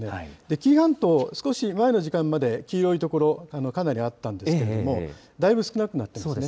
紀伊半島、少し前の時間まで黄色い所、かなりあったんですけれども、だいぶ少なくなってますね。